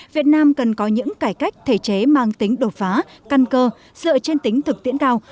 việt nam cần có những cải cách thể chế mang tính đột phá căn cơ dựa trên tính thực tiễn cao